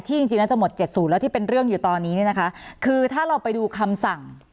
จริงจริงแล้วจะหมดเจ็ดศูนย์แล้วที่เป็นเรื่องอยู่ตอนนี้เนี่ยนะคะคือถ้าเราไปดูคำสั่ง